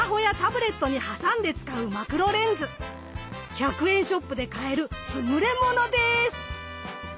１００円ショップで買える優れものです。